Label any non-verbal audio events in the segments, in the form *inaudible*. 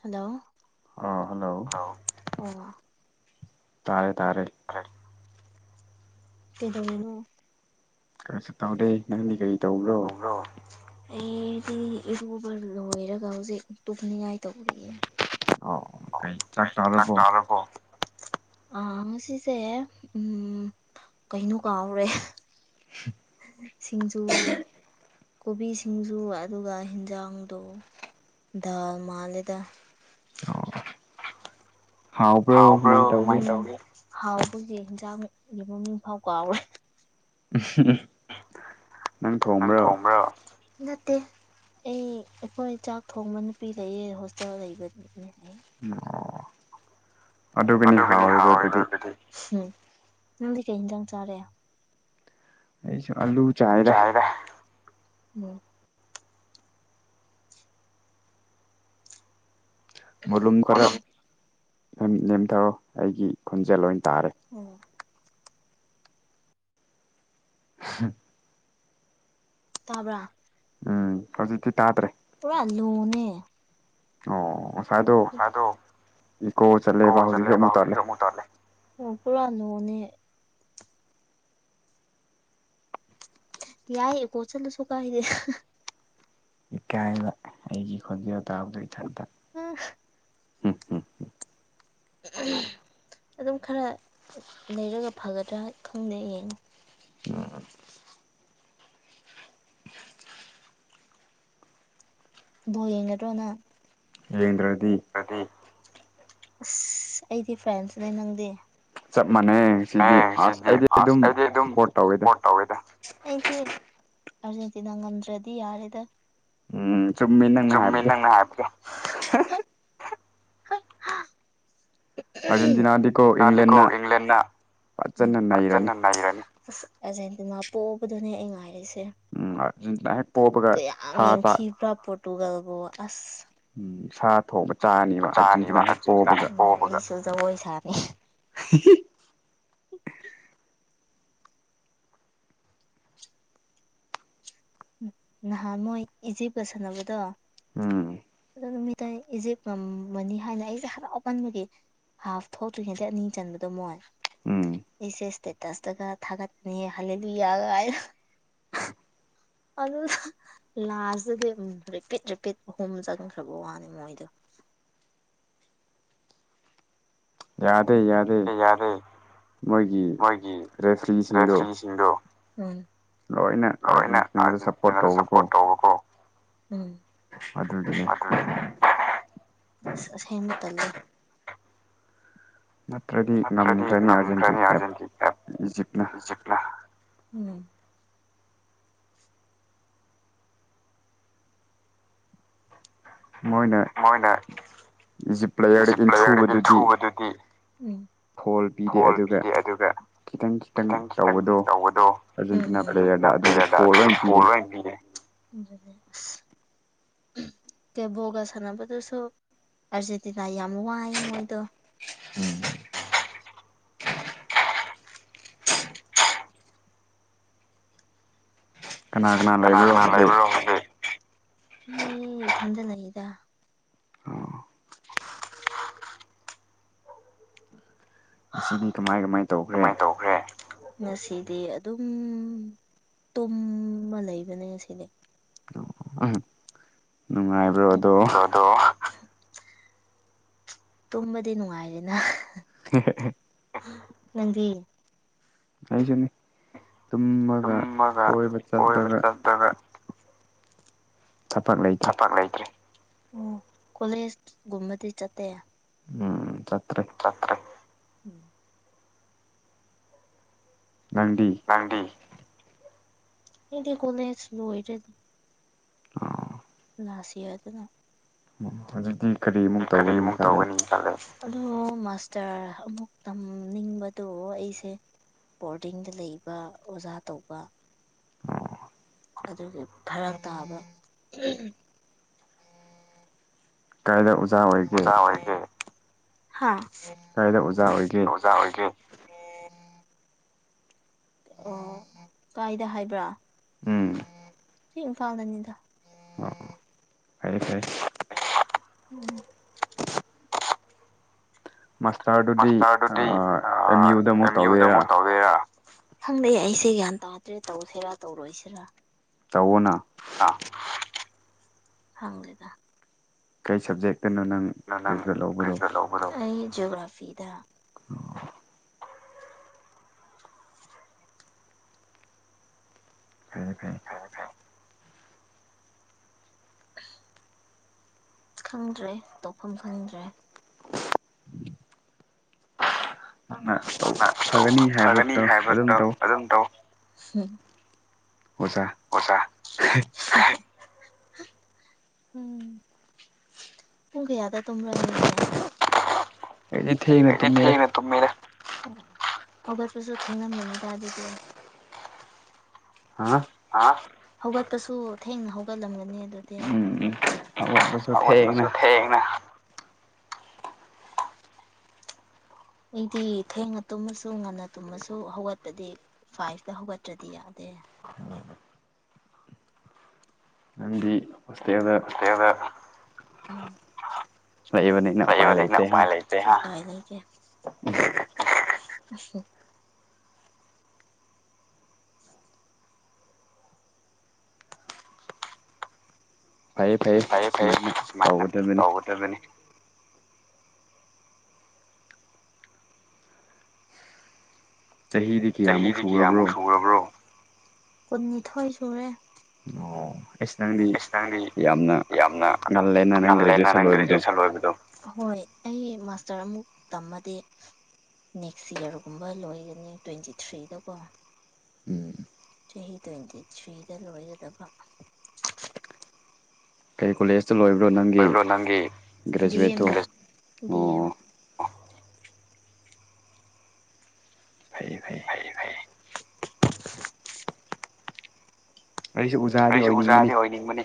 hello ꯑ hello ꯑꯣ ꯇꯥꯔꯦ ꯇꯥꯔꯦ ꯔꯦ ꯇꯗꯅ ꯀꯁꯨ ꯇꯧꯗꯦ ꯅꯪꯗꯤ ꯀꯔꯤ ꯇꯧꯕ꯭ꯔꯣ ꯑꯩꯗꯤ ꯏꯔꯨꯕ ꯂꯣꯏꯔꯒ ꯍꯧꯖꯤꯛ ꯇꯣꯛꯅꯤꯡꯉꯥꯏ ꯇꯧꯔꯤꯌꯦꯦ ꯆꯥꯛ ꯇ ꯑꯔ ꯀꯣ ꯑ ꯉꯁꯤꯁꯦ ꯎꯝ ꯀꯩꯅꯣ ꯀꯥꯎꯔꯦ ꯁꯤꯡꯖꯨ ꯀꯣꯕꯤ ꯁꯤꯡꯖꯨ ꯑꯗꯨꯒ ꯍꯟꯖꯥꯡꯗꯣ ꯗꯥꯜ ꯃꯥꯜꯂꯦꯗ ꯍꯥꯎꯕ꯭ꯔꯣ ꯍꯥꯎꯕꯒꯤ ꯍꯟꯖꯥꯡꯒꯤ ꯃꯃꯤꯡ ꯐꯥꯎ ꯀꯥꯎꯔꯦ *unintelligible* ꯅꯪ ꯊꯣꯡꯕ꯭ꯔꯣ ꯅꯠꯇꯦ ꯑꯩ ꯑꯩꯈꯣꯏ ꯆꯥꯛ ꯊꯣꯡꯕ ꯅꯨꯄꯤ ꯂꯩꯌꯦ ꯍꯣꯁꯇꯦꯜ ꯂꯩꯕꯗꯨꯅꯦ ꯑꯩ ꯑꯣ ꯑꯗꯨꯒꯅꯤ ꯍꯥꯎꯋꯕꯗꯤ ꯎ ꯅꯪꯗꯤ ꯀꯩꯇꯪ ꯆꯔꯦ ꯑꯩꯁꯨ ꯑꯜꯂ ꯆꯥꯏꯗꯥ ꯎꯝ ꯃꯣꯂꯨꯝ ꯈꯔ ꯅꯦꯝ ꯅꯦꯝꯊꯥꯋꯣ ꯑꯩꯒꯤ ꯈꯣꯟꯖꯦꯜ ꯑꯣꯏꯅ ꯇꯥꯔꯦ ꯑꯣ ꯍꯝ ꯇꯥꯕ꯭ꯔꯥ ꯎꯝ ꯍꯧꯖꯤꯛꯇꯤ ꯇꯥꯗ꯭ꯔꯦ ꯄꯨꯔꯥ *unintelligible* ꯑꯣ *unintelligible* ꯑꯣ ꯉꯁꯥꯏꯗꯣ ꯏꯀꯣ ꯆꯠꯂꯦꯕ ꯍꯧꯖꯤꯛꯁꯨ ꯑꯃꯨꯛ ꯇꯥꯠꯂꯦ ꯑꯣ ꯄꯨꯔꯥ *unintelligible* ꯌꯥꯏ ꯒꯣꯜꯆꯜꯂꯁꯨ ꯀꯥꯏꯗꯦ ꯏꯀꯥꯏꯕ ꯑꯩꯒꯤ ꯈꯣꯟꯖꯦꯜ ꯇꯥꯕꯗꯨ ꯏꯊꯟꯇ *unintelligible* ꯎꯝꯍꯝ ꯑꯗꯨꯝ ꯈꯔ ꯂꯩꯔꯒ ꯐꯒꯗ꯭ꯔꯥ ꯈꯪꯗꯦ ꯌꯦꯡꯉꯨ ꯎꯝ ꯕꯣꯜ ꯌꯦꯡꯒꯗꯔꯣ ꯅꯪ ꯌꯦꯡꯗ꯭ꯔꯗꯤ ꯗꯔꯥꯗꯤ ꯑꯁ ꯑꯩꯗꯤ ꯐ꯭ꯔꯦꯟꯁꯅꯦ ꯅꯪꯗꯤ ꯆꯞ ꯃꯥꯟꯅꯩ ꯁꯤꯗꯤ ꯑꯁ ꯑꯩꯗꯤ ꯑꯗꯨꯝ ꯁꯞꯄꯣꯔꯠ ꯇꯧꯋꯦꯗ ꯇꯧꯋꯦꯗ ꯑꯩꯗꯤ ꯑꯥꯔꯖꯦꯟꯇꯤꯅꯥ ꯉꯝꯗ꯭ꯔꯗꯤ ꯌꯥꯔꯦꯗ ꯆꯨꯝꯃꯦ ꯅꯪꯅ ꯍꯥꯏꯕꯗꯣ ꯎꯝꯍꯝ ꯃꯥꯗꯦꯀꯣ ꯏꯪꯂꯦꯟꯟꯅ ꯐꯖꯅ ꯅꯩꯔꯅꯤ ꯑꯁ ꯑꯔꯖꯦꯟꯇꯤꯅꯥ ꯄꯣꯕꯗꯨꯅꯦ ꯑꯩ ꯉꯥꯏꯔꯤꯁꯦ ꯎꯝ ꯑꯥꯔꯖꯦꯟꯇꯤꯅ ꯍꯦꯛ ꯄꯣꯕꯒ ꯁꯥ *unintelligible* *unintelligible* ꯄꯣꯔꯇꯨꯒꯜꯕꯨꯕ ꯑꯁ ꯎꯝ ꯁꯥ ꯊꯣꯡꯕ ꯆꯥꯅꯤꯕ ꯑꯥꯔꯖꯦꯟꯇꯤꯅꯥ ꯍꯦꯛ ꯄꯣꯕꯒ ꯑꯩꯁꯨ ꯖꯒꯣꯏ ꯁꯥꯔꯦ ꯍꯤꯍꯤ ꯅꯍꯥꯟ ꯃꯣꯏ ꯏꯖꯤꯞꯀꯥ ꯁꯥꯟꯅꯕꯗꯣ ꯎꯝ ꯑꯗꯨ ꯅꯨꯃꯤꯠꯇ ꯏꯖꯤꯞ ꯉꯝꯃꯅꯤ ꯍꯥꯏꯅ ꯑꯩꯗꯤ ꯍꯔꯥꯎ ꯃꯟꯕꯒꯤ ꯍꯥꯐ ꯊꯣꯛꯇ꯭ꯔꯤꯉꯩꯗꯥ ꯑꯅꯤ ꯆꯟꯕꯗꯣ ꯃꯣꯏ ꯑꯩꯁꯦ ꯏꯁꯇꯦꯇꯁꯇꯒ ꯊꯥꯒꯠꯅꯦ ꯍꯜꯂꯦꯂꯨꯌꯥ ꯒꯥꯏꯅ ꯑꯗꯨꯒ ꯂꯥꯁꯇꯗꯤ ꯎꯝ ꯔꯤꯄꯤꯠ ꯔꯤꯄꯤꯠ ꯑꯍꯨꯝ ꯆꯪꯟꯈꯔꯕ ꯋꯥꯅꯤ ꯃꯣꯏꯗꯣ ꯌꯥꯗꯦ ꯌꯥꯗꯦ ꯌꯥꯔꯦ ꯃꯣꯏꯒꯤ ꯔꯦꯐ꯭ꯔꯤꯁꯤꯡꯗꯣ ꯂꯣꯏꯅ ꯑꯥꯔꯖꯦꯟꯇꯤꯅꯥꯗ ꯁꯞꯄꯣꯔꯠ ꯇꯧꯕꯀꯣ ꯑꯗꯨꯒꯤꯅꯦ ꯑꯁ ꯑꯁꯦꯡꯕ ꯇꯥꯜꯂꯦ ꯅꯇ꯭ꯔꯗꯤ ꯉꯝꯒ꯭ꯔꯅꯤ ꯑꯔꯖꯦꯟꯇꯤꯅ ꯏꯖꯤꯞꯇꯅ ꯃꯣꯏꯅ ꯏꯖꯤꯞ ꯄ꯭ꯂꯦꯌꯔꯗ ꯏꯟꯊꯨꯕꯗꯨꯗꯤ ꯐꯣꯜ ꯄꯤꯗꯦ ꯑꯗꯨꯒ ꯈꯤꯇꯪ ꯈꯤꯇꯪ ꯇꯧꯕꯗꯣ ꯎꯝ ꯎꯝ ꯑꯥꯔꯖꯦꯟꯇꯤꯅꯥ ꯄ꯭ꯂꯦꯌꯔꯗ ꯑꯗꯨꯒ ꯐꯣꯜ ꯂꯣꯏ ꯄꯤꯔꯦ *unintelligible* ꯏꯁ ꯀꯦꯕꯣꯒ ꯁꯥꯟꯅꯕꯗꯨꯁꯨ ꯑꯥꯔꯖꯦꯟꯇꯤꯅꯥ ꯌꯥꯝ ꯋꯥꯏ ꯃꯣꯏꯗꯣ ꯀꯅꯥ ꯀꯅꯥ ꯂꯩꯕꯔꯣ ꯍꯧꯖꯤꯛ ꯑꯩ ꯏꯊꯟꯗ ꯂꯩꯗ ꯉꯁꯤꯗꯤ ꯀꯃꯥꯏ ꯀꯃꯥꯏ ꯀꯃꯥꯏꯅ ꯇꯧꯈ꯭ꯔꯦ ꯉꯁꯤꯗꯤ ꯑꯗꯨꯝ ꯇꯨꯝꯃ ꯂꯩꯕꯅꯦ ꯉꯁꯤꯗꯤ *unintelligible* ꯑꯗꯣ ꯇꯨꯝꯕꯗꯤ ꯅꯨꯡꯉꯥꯏꯗꯦꯅ *unintelligible* ꯅꯪꯗꯤ ꯑꯩꯁꯨꯅꯤ ꯇꯨꯝꯃꯒ ꯀꯣꯏꯕ ꯆꯠꯄꯒ ꯊꯕꯛ ꯂꯩꯇꯔꯦ ꯎꯝ ꯀꯣꯂꯦꯖꯒꯨꯝꯕꯗꯤ ꯆꯠꯇꯦ ꯎꯝ ꯆꯠꯇꯔꯦ ꯆꯠꯇ꯭ꯔꯦ ꯅꯪꯗꯤ ꯅꯪꯗꯤ ꯑꯩꯗꯤ ꯀꯣꯂꯒꯦ ꯂꯣꯏꯔꯦ ꯑꯣ ꯂꯁꯤ ꯍꯥꯏ ꯑꯗꯨꯅ ꯎ ꯍꯧꯖꯤꯛꯇꯤ ꯀꯔꯤꯃꯨꯛ ꯇꯧꯒꯅꯤ ꯈꯜꯂꯦ ꯇꯦ ꯑꯗꯣ ꯃꯥꯁꯇꯔ ꯑꯃꯨꯛ ꯇꯝꯅꯤꯡꯕꯗꯣ ꯑꯩꯁꯦ ꯕꯣꯔꯗꯤꯡꯗ ꯂꯩꯕ ꯑꯣꯖꯥ ꯇꯧꯕ ꯑꯗꯨꯒꯤ ꯐꯔꯛ ꯇꯥꯕ ꯀꯥꯏꯗ ꯑꯣꯖꯥ ꯑꯣꯏꯒꯦ ꯑꯣꯏ ꯑꯣꯖꯥ ꯑꯣꯏꯒꯦ ꯑꯣ ꯀꯥꯏꯗ ꯍꯥꯏꯕ꯭ꯔꯥ ꯎꯝ ꯁꯤ ꯏꯝꯐꯥꯜ ꯗꯅꯤꯗ ꯐꯔꯦ ꯐꯔꯦ ꯎꯝ ꯃꯥꯁꯇꯔ ꯃꯥꯁꯇꯔꯗꯨꯗꯤ ꯑꯦꯝ ꯌꯨꯗ ꯑꯃꯨꯛ ꯇꯧꯒꯦꯔꯥ ꯈꯪꯗꯦ ꯑꯩꯁꯦ ꯒ꯭ꯌꯥꯟ ꯇꯥꯗ꯭ꯔꯦ ꯇꯧꯁꯤꯔꯥ ꯇꯧꯔꯣꯏꯁꯤꯔꯥ ꯇꯧꯑꯣꯅ ꯈꯪꯗꯦꯗꯥ ꯀꯩ ꯁꯕꯖꯦꯛꯇꯅꯣ ꯅꯪ ꯅ ꯑꯩ ꯖꯤꯑꯣꯒ꯭ꯔꯥꯐꯤꯗ ꯐꯥꯌꯦ ꯐꯥꯌꯦ ꯍ ꯍ *inaudible* ꯈꯪꯗ꯭ꯔꯦ ꯇꯣꯛꯐꯝ ꯈꯪꯗ꯭ꯔꯦ ꯅꯪꯅ ꯇꯧꯕ ꯐꯒꯅꯤ ꯍꯥꯏꯕꯗꯣ ꯑꯗꯨꯝ ꯇꯧ ꯑꯣꯖꯥ ꯑꯣꯖꯥ ꯎꯝ ꯄꯨꯡ ꯀꯌꯥꯗ ꯇꯨꯝꯕ꯭ꯔꯥꯅꯣꯏꯗꯤ ꯑꯩꯗꯤ ꯊꯦꯡꯅꯦ ꯇꯨꯝꯃꯦꯗꯥ ꯇꯨꯝꯃꯦꯗ ꯍꯧꯒꯠꯄꯁꯨ ꯊꯦꯡꯅꯝꯒꯅꯤꯗ ꯑꯗꯨꯗꯤ ꯍꯥ ꯑꯥ ꯍꯧꯒꯠꯄꯁꯨ ꯊꯦꯡꯅ ꯍꯧꯒꯠꯂꯝꯒꯅꯤ ꯑꯗꯨꯗꯤ ꯑꯝ ꯍꯧꯒꯠꯄꯁꯨ ꯊꯦꯡꯅ ꯑꯩꯗꯤ ꯊꯦꯡꯅ ꯇꯨꯝꯃꯁꯨ ꯉꯟꯅ ꯇꯨꯝꯃꯁꯨ ꯍꯧꯒꯠꯄꯗꯤ ꯐꯥꯏꯚꯇ ꯍꯧꯒꯠꯇ꯭ꯔꯗꯤ ꯌꯥꯗꯦ ꯅꯗꯤ ꯑꯩ ꯍꯣꯁꯇꯦꯜꯗ ꯂꯩꯕꯅꯤꯅ ꯎꯄꯥꯏ ꯂꯩ ꯍ ꯂꯩ ꯀꯦ ꯐꯩꯌꯦ ꯐꯩꯌꯦ ꯁꯨꯃꯥꯏꯅ ꯇꯧꯒꯗꯕꯅꯤ ꯇꯧꯒꯗꯕꯅꯦ ꯆꯍꯤꯗꯤ ꯆꯍꯤꯗꯤ ꯀꯌꯥꯃꯨꯛ ꯁꯨꯔꯕ꯭ꯔꯣ ꯀꯨꯟꯅꯤꯊꯣꯏ ꯁꯨꯔꯦ ꯑꯣ ꯑꯩꯁ ꯑꯩꯁ ꯅꯪꯗꯤ ꯌꯥꯝꯅ ꯉꯜꯂꯦꯅ ꯅꯪ ꯒ꯭ꯔꯦꯖꯨꯑꯦꯁꯟ ꯂꯣꯏꯕꯗꯣ ꯍꯣꯏ ꯑꯩ ꯃꯥꯁꯇꯔ ꯑꯃꯨꯛ ꯇꯝꯃꯗꯤ ꯅꯦꯛꯁ ꯌꯔꯒꯨꯝꯕ ꯂꯣꯏꯒꯅꯤ ꯇ꯭ꯋꯦꯟꯇꯤ ꯊ꯭ꯔꯤꯗꯀꯣ ꯆꯍꯤ ꯇ꯭ꯋꯦꯟꯇꯤ ꯊ꯭ꯔꯤꯗ ꯂꯣꯏꯒꯗꯕ ꯀꯩ ꯀꯣꯂꯦꯖꯇ ꯂꯣꯏꯕ꯭ꯔꯣ ꯅꯪꯒꯤ ꯒ꯭ꯔꯦꯖꯨꯋꯦꯠꯇꯣ ꯑꯣ ꯐꯩꯌꯦ ꯐꯩꯌꯦ ꯑꯩꯁꯨ ꯑꯩꯁꯨ ꯎꯖꯥꯗꯤ ꯑꯣꯏꯅꯤꯡꯕꯅꯤ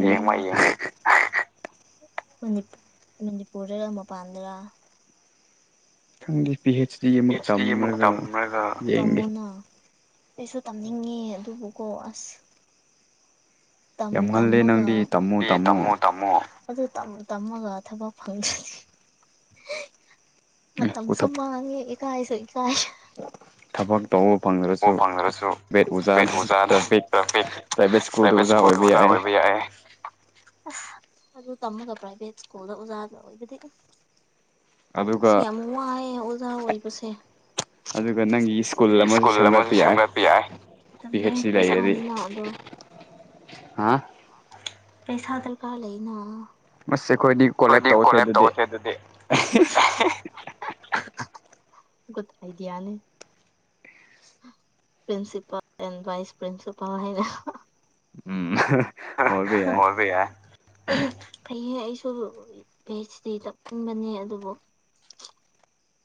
ꯍꯌꯦꯡꯋꯥꯏ ꯌꯦꯡꯒꯦ *unintelligible* ꯃꯅꯤꯄꯨꯔꯗꯔ ꯃꯄꯥꯟꯗꯔ ꯈꯪꯗꯦ ꯄꯤ ꯑꯩꯩꯆ ꯗꯤ ꯑꯃꯨꯛ ꯇꯝꯔꯒ ꯌꯦꯡꯒꯦ ꯑꯩꯁꯨ ꯇꯝꯅꯤꯡꯉꯦ ꯑꯗꯨꯕꯨꯀꯣ ꯑꯁ ꯇꯝ ꯇꯝꯃꯒ ꯑꯦ ꯇꯝꯃꯣ ꯇꯝꯃꯣ ꯑꯗꯨ ꯇꯝ ꯇꯝꯃꯒ ꯊꯕꯛ ꯐꯪꯗꯔꯗꯤ ꯃꯇꯝꯁꯨ ꯃꯥꯡꯉꯦ ꯏꯀꯥꯏꯁꯨ ꯏꯀꯥꯏꯁꯨ ꯊꯕꯛ ꯇꯧꯕ ꯐꯪꯗ꯭ꯔꯁꯨ ꯚꯦꯠ ꯎꯖꯥꯅ ꯄ꯭ꯔꯥꯏꯚꯦꯠ ꯁ꯭ꯀꯨꯜꯗ ꯑꯣꯖꯥ ꯑꯣꯏꯕ ꯌꯥꯏꯌꯦ ꯑꯁ ꯑꯗꯨ ꯇꯝꯃꯒ ꯄ꯭ꯔꯥꯏꯚꯦꯠ ꯁ꯭ꯀꯨꯜꯗ ꯑꯣꯖꯥꯗ ꯑꯣꯏꯕꯗꯤ ꯁꯤ ꯌꯥꯝ ꯋꯥꯌꯦ ꯑꯣꯖꯥ ꯑꯣꯏꯕꯁꯦ ꯑꯗꯨꯒ ꯅꯪꯒꯤ ꯁ꯭ꯀꯨꯜ ꯑꯃ ꯑꯗꯨ ꯁꯦꯝꯒꯠꯄ ꯌꯥꯏ ꯄꯤꯍꯦꯠꯗꯤ ꯂꯩꯔꯗꯤ ꯍꯥ ꯄꯩꯁꯥ ꯗꯔꯀꯥꯔ ꯂꯩꯅ ꯑꯩꯈꯣꯏꯅꯤ ꯀꯣꯂꯦꯞ ꯇꯧꯁꯦ ꯑꯗꯨꯗꯤ ꯒꯨꯠ ꯑꯥꯏꯗꯤꯌꯥꯅꯤ ꯄꯔꯤꯟꯁꯤꯄꯥꯜ ꯑꯦꯟ ꯚꯥꯏꯁ ꯄꯔꯤꯟꯁꯤꯄꯥꯜ ꯍꯥꯏꯅ ꯎꯝ ꯑꯣꯏꯕ ꯌꯥꯏ ꯐꯩꯌꯦ ꯑꯩꯁꯨ ꯚꯦꯁꯇꯤ ꯇꯞꯅꯤꯡꯕꯅꯦ ꯑꯗꯨꯕꯨ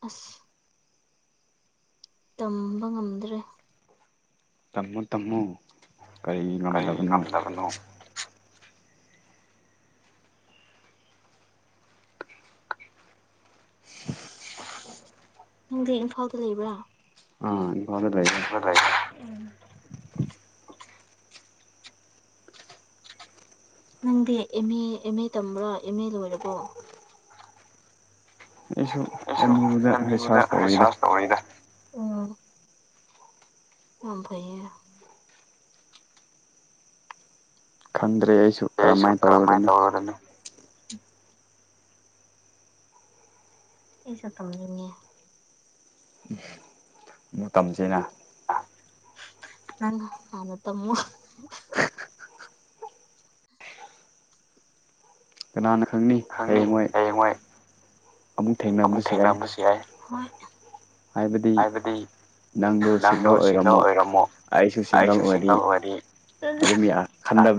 ꯑꯁ ꯇꯝꯕ ꯉꯝꯗ꯭ꯔꯦ ꯇꯝꯃꯨ ꯇꯝꯃꯨ ꯀꯔꯤꯒꯤ ꯉꯝꯗꯕꯅꯣ ꯅꯪꯗꯤ ꯏꯝꯐꯥꯜꯗ ꯂꯩꯕ꯭ꯔꯥ ꯑ ꯏꯝꯐꯥꯜꯗ ꯂꯩꯈꯔꯦ ꯂꯩꯈꯔꯦ ꯅꯪꯗꯤ ꯑꯦꯝ ꯑꯦ ꯑꯦꯝ ꯑꯦ ꯇꯝꯕ꯭ꯔꯣ ꯑꯦꯝ ꯑꯦ ꯂꯣꯏꯔꯕꯣ ꯑꯩꯁꯨ ꯑꯦꯝ ꯌꯨꯗ ꯔꯤꯁꯥꯔꯁ ꯇꯧꯔꯤꯗ ꯌꯥꯝ ꯐꯩꯌꯦ ꯈꯪꯗ꯭ꯔꯦ ꯑꯩꯁꯨ ꯀꯔꯝꯍꯥꯏꯅ ꯇꯧꯒꯗꯅꯣ ꯑꯩꯁꯨ ꯇꯝꯅꯤꯡꯉꯦ ꯃꯇꯝꯁꯤꯅ *unintelligible* ꯈꯪꯅꯤ ꯍꯥꯌꯦꯟ ꯌꯥꯏ ꯑꯃꯨꯛ ꯊꯦꯡꯅꯔꯝꯕꯁꯨ ꯌꯥꯏ ꯍꯥꯏꯕꯗꯤ ꯅꯪꯗꯨ ꯁꯤꯡꯒꯜ ꯑꯣꯏꯔꯝꯃꯣ ꯑꯩꯁꯨ ꯁꯤꯡꯒꯜ ꯑꯣꯏꯔꯤ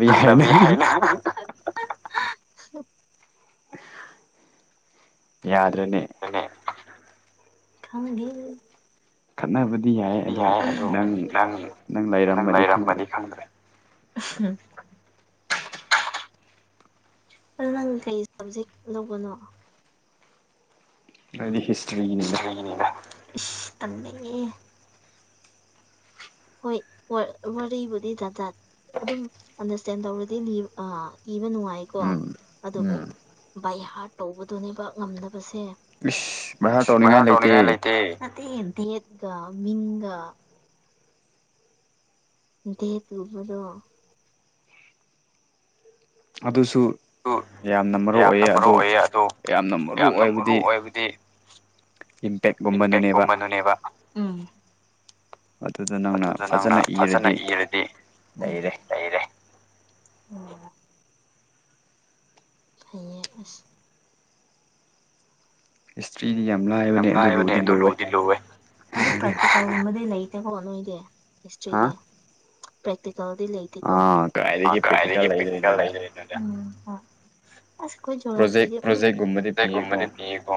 ꯈꯟꯗꯕꯤ ꯍꯥꯏꯅ ꯌꯥꯗ꯭ꯔꯦꯅꯦ ꯈꯪꯗꯦꯅꯦ ꯈꯠꯅꯕꯗꯤ ꯌꯥꯏ ꯌꯥꯏ ꯑꯗꯣ ꯅꯪ ꯅꯪ ꯂꯩꯔꯃꯗꯤ ꯈꯪꯗ꯭ꯔꯦ *unintelligible* *inaudible* ꯂꯣꯕꯅꯣ ꯑꯗꯨꯗꯤ ꯍꯤꯁꯇ꯭ꯔꯤ ꯏꯁ ꯂꯩꯗ ꯏꯁ ꯇꯟꯅꯦ ꯍꯣꯏ ꯍꯣꯏ ꯃꯣꯏ ꯃꯔꯤꯕꯨꯗꯤ ꯇꯥ-ꯇꯥꯅꯤ ꯑꯗꯨꯝ ꯑꯟꯗꯔꯁꯇꯦꯟ ꯇꯧꯔꯗꯤ ꯏꯕ ꯅꯨꯡꯉꯥꯏꯀꯣ ꯑꯗꯨꯕꯨ ꯕꯥꯏꯍꯥꯔ ꯇꯧꯕꯗꯨꯅꯦꯕ ꯉꯝꯗꯥꯕꯁꯦ ꯚꯥ ꯇꯧꯅꯤꯡꯉꯥꯏ ꯂꯩꯇꯦ *unintelligible* ꯑꯗꯨꯁꯨ ꯌꯥꯝꯅ ꯃꯔꯨ ꯑꯣꯏꯌꯦ ꯑꯗꯨ ꯌꯥꯝꯅ ꯃꯔꯨ ꯑꯣꯏꯕꯗꯤ ꯏꯝꯄꯦꯛ ꯒꯨꯝꯕ ꯗꯨꯅꯦꯕ ꯒꯦꯕ ꯎꯝ ꯑꯗꯨꯗ ꯅꯪ ꯑꯗꯨꯗ ꯅꯪꯅ ꯐꯖꯅ ꯏꯔꯗꯤ ꯂꯩꯔꯦ ꯐꯌꯦ ꯑꯥꯁ ꯍꯤꯁꯇ꯭ꯔꯤꯗꯤ ꯌꯥꯝ ꯂꯥꯢ ꯌꯥꯝ ꯂꯥꯏꯕꯅꯦ ꯑꯗꯨ ꯂꯨꯗꯤ ꯂꯨꯋꯦ ꯑꯗꯨ ꯄ꯭ꯔꯦꯛꯇꯤꯀꯦꯜꯒꯨꯝꯕꯗꯤ ꯂꯩꯇꯦꯀꯣ ꯅꯣꯏꯗꯤ ꯍꯤꯁꯇ꯭ꯔꯤꯗꯤ ꯄ꯭ꯔꯦꯛꯇꯤꯀꯦꯜꯗꯤ ꯂꯩꯇꯦ ꯑꯥ ꯀꯥꯏꯗꯒꯤ ꯄ꯭ꯔꯦꯛꯇꯤꯀꯦꯜ ꯂꯩꯗꯣꯢꯅꯣꯗ ꯎꯝ ꯍꯣ ꯑꯁ ꯈꯣꯏ ꯖꯣꯒ꯭ꯔꯥꯐꯤꯗꯤ ꯎꯝ ꯅꯣꯢꯒꯨꯝꯕꯗꯤ ꯄꯤꯌꯦ ꯀꯣ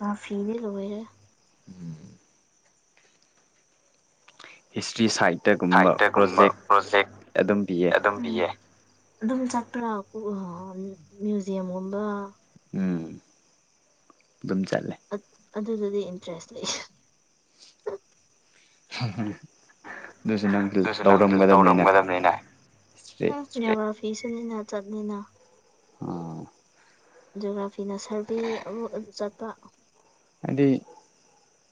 ꯑꯥ ꯐꯤꯗꯤ ꯂꯣꯋꯦꯗ ꯎꯝ ꯍꯤꯁꯇ꯭ꯔꯤ ꯁꯥꯏꯠ ꯁꯥꯏꯠꯇꯒꯨꯝꯕ ꯄ꯭ꯔꯣꯖꯦꯛ ꯑꯗꯨꯝ ꯄꯤꯌꯦ ꯑꯗꯨꯝ ꯆꯠꯄꯔꯥ ꯃ꯭ꯌꯨꯖꯤꯌꯝ ꯒꯨꯝꯕ ꯎꯝ ꯑꯗꯨꯝ ꯆꯠꯂꯦ ꯑꯥ ꯑꯗꯨꯘꯗꯤ ꯏꯟꯇꯔꯦꯁ ꯂꯩ ꯑꯗꯨꯁꯨ ꯅꯪꯁꯨ ꯇꯧꯔꯝꯒꯗꯕꯅꯤꯅꯧ ꯎꯝ ꯖꯣꯐꯤꯁꯨꯅꯤꯅ ꯆꯠꯅꯤꯅ ꯎꯝ ꯖꯣꯒ꯭ꯔꯥꯐꯤꯅ ꯁꯔꯚꯦ ꯑꯃ ꯑꯗꯨ ꯆꯠꯄꯥ ꯍꯥꯏꯗꯤ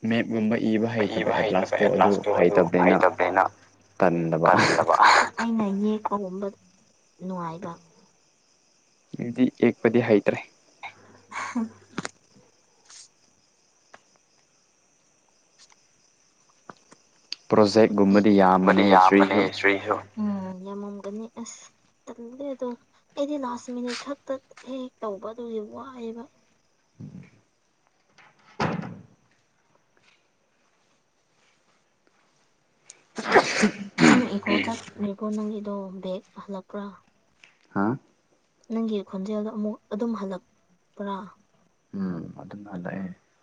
ꯃꯦꯞꯒꯨꯝꯕ ꯏꯕ ꯍꯩꯇꯕ ꯑꯦꯠꯂꯥꯁꯇꯣ ꯑꯗꯨ ꯍꯩꯇꯕꯅꯤ ꯑꯩꯅ ꯇꯥꯟꯗꯕꯥ ꯑꯩꯅ ꯌꯦꯛꯄ ꯒꯨꯝꯕꯗ ꯅꯨꯡ ꯉꯥꯏꯕ ꯑꯧꯗꯤ ꯌꯦꯛꯄꯗꯤ ꯍꯩꯇ꯭ꯔꯦ *unintelligible* ꯄ꯭ꯔꯣꯖꯦꯛꯒꯨꯝꯕꯗꯤ ꯌꯥꯝꯕꯅꯦ ꯍꯤꯁꯇ꯭ꯣꯔꯨ ꯁꯨ ꯆꯩꯌꯣ ꯎꯝ ꯌꯥꯝꯃꯝꯒꯅꯤ ꯑꯁ ꯇꯜꯂꯦ ꯑꯗꯣ ꯑꯩꯗꯤ ꯂꯥꯁ ꯃꯤꯅꯤꯠ ꯈꯛꯇ ꯍꯦꯛ ꯍꯦꯛ ꯇꯧꯕ ꯑꯗꯨꯒꯤ ꯋꯥꯏꯑꯦꯕ ꯅꯪ ꯏꯒꯣ ꯆꯠꯅꯦꯕꯣ ꯅꯪ ꯏꯗꯣ ꯕꯦꯛꯒ ꯍꯜꯂꯛꯄ꯭ꯔꯥ ꯅꯪꯒꯤ ꯈꯣꯟꯖꯦꯜꯗꯥ ꯑꯃꯨꯛ ꯑꯗꯨꯝ ꯍꯜꯂꯛꯄ꯭ꯔꯥ